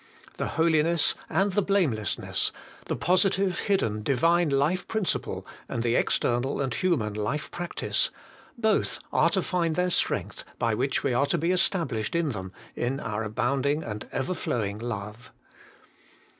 The holiness and the blamelessness, the positive hidden Divine life prin ciple, and the external and human life practice both are to find their strength, by which we are to be established in them, in our abounding and ever flowing love.